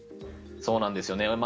そうなんですよね。